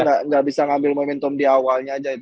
kita gak bisa ngambil momentum di awalnya aja itu